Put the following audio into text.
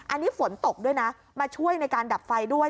อันนี้ฝนตกด้วยนะมาช่วยในการดับไฟด้วย